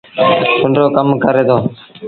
پنڊرو ڪم ڪري دو۔